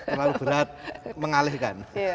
terlalu berat mengalihkan